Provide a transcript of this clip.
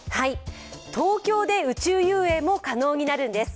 東京で宇宙遊泳も可能になるんです。